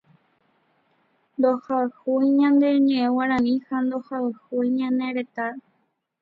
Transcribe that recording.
Ndohayhúi ñane ñeʼẽ Guarani ha ndohayhúi ñane retã.